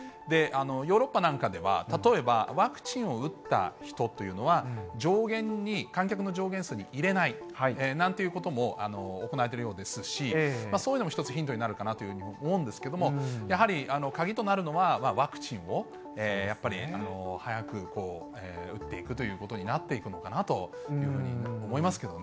ヨーロッパなんかでは例えばワクチンを打った人というのは、上限に、観客の上限数に入れないなんていうことも行われているようですし、そういうのも一つヒントになるかなというふうに思うんですけれども、やはり鍵となるのはワクチンをやっぱり早く打っていくということになっていくのかなというふうに思いますけどね。